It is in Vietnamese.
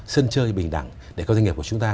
sân chơi bình đẳng để các doanh nghiệp của chúng ta